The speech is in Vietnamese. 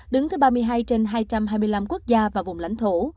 đứng thứ ba mươi hai trên hai trăm hai mươi năm quốc gia và vùng lãnh thổ